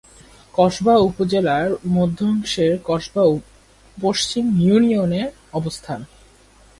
কসবা উপজেলার মধ্যাংশে কসবা পশ্চিম ইউনিয়নের অবস্থান।